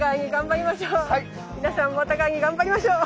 皆さんもお互いに頑張りましょう！